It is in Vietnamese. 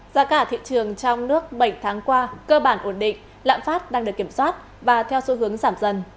giá cả thị trường trong nước bảy tháng qua cơ bản ổn định lạm phát đang được kiểm soát và theo xu hướng giảm dần